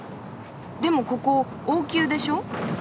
でもここ王宮でしょ？